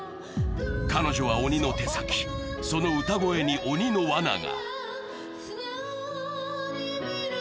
彼女は鬼の手先、その歌声に鬼のわなが。